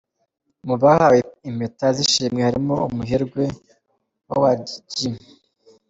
Mu bahawe Impeta z’Ishimwe harimo umuherwe Howard G.